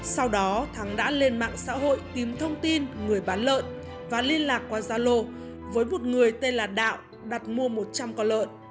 sau đó thắng đã lên mạng xã hội tìm thông tin người bán lợn và liên lạc qua gia lô với một người tên là đạo đặt mua một trăm linh con lợn